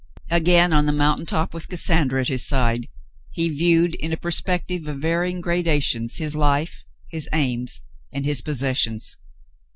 Again on the mountain top, with Cassandra at his side, he viewed in a perspective of varying gradations his life, his aims, and his possessions.